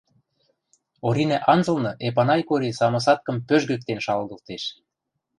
Оринӓ анзылны Эпанай Кори самосадкым пӧжгӹкген шалгылтеш.